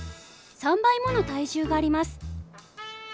３倍もの体重があります。